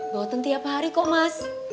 gotong tiap hari kok mas